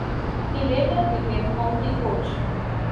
He later became county coach.